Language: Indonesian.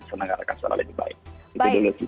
selenggarakan secara lebih baik itu dulu sih